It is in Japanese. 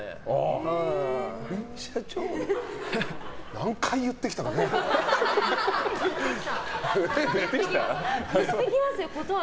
何回言ってきたことか。